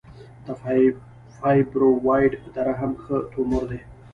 د فایبروایډ د رحم ښه تومور دی.